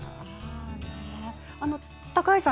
高橋さん